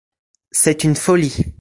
C’est une folie !